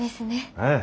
ええ。